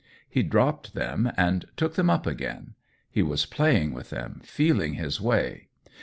He dropped them and took them up again ; he was playing with them, feeling his way.